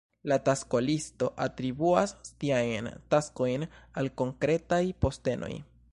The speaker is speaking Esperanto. La taskolisto atribuas tiajn taskojn al konkretaj postenoj.